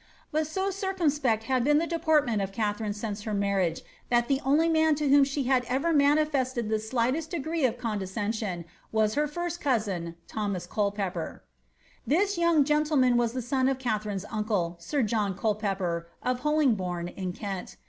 But so circumspect had been the deport Katharine since her marriage, that the only man to whom she ' manifested the slightest degree of condescension was her first Thomas Culpepper. young gentleman was the son of Katharine^s uncle, sir John er, of Holin^hourn, in Kent.